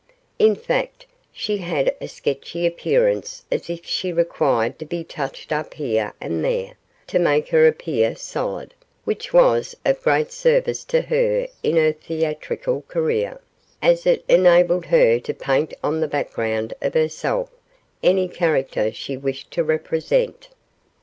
In fact she had a sketchy appearance as if she required to be touched up here and there, to make her appear solid, which was of great service to her in her theatrical career, as it enabled her to paint on the background of herself any character she wished to represent.